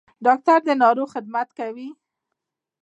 ډاکټر د ناروغ خدمت کوي